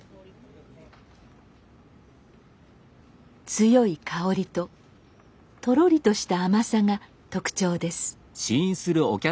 強い香りととろりとした甘さが特徴です。